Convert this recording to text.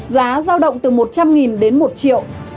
giá giao động từ một trăm linh đến một triệu